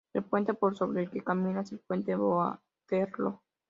El puente por sobre el que camina es el puente Waterloo.